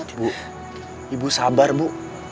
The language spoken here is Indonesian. ibu ibu sabar bu